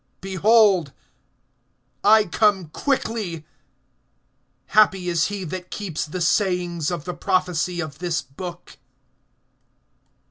(7)Behold, I come quickly. Happy is he that keeps the sayings of the prophecy of this book.